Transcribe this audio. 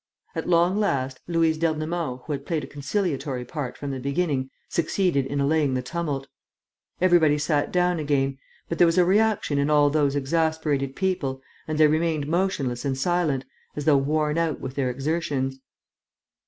At long last, Louise d'Ernemont, who had played a conciliatory part from the beginning, succeeded in allaying the tumult. Everybody sat down again; but there was a reaction in all those exasperated people and they remained motionless and silent, as though worn out with their exertions.